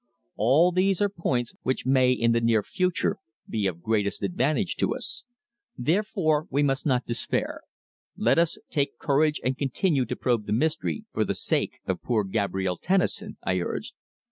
All these are points which may in the near future be of greatest advantage to us. Therefore we must not despair. Let us take courage and continue to probe the mystery for the sake of poor Gabrielle Tennison," I urged.